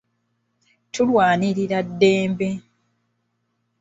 Tulwanirira ddembe.